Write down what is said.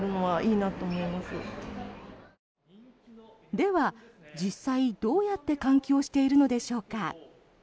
では実際、どうやって換気をしているのでしょうか。